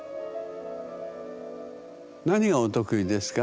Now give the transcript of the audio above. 何がお得意ですか？